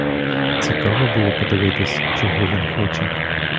Цікаво було подивитись, чого він хоче.